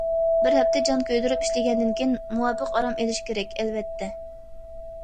بىر ھەپتە جان كۆيدۈرۈپ ئىشلىگەندىن كېيىن مۇۋاپىق ئارام ئېلىش كېرەك، ئەلۋەتتە.